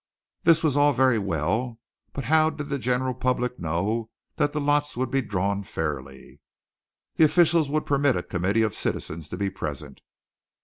This was all very well, but how did the general public know that the lots would be drawn fairly? The officials would permit a committee of citizens to be present.